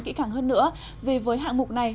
kỹ càng hơn nữa vì với hạng mục này